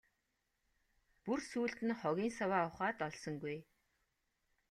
Бүр сүүлд нь хогийн саваа ухаад олсонгүй.